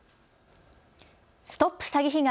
ＳＴＯＰ詐欺被害！